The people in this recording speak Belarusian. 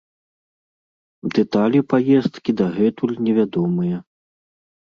Дэталі паездкі дагэтуль невядомыя.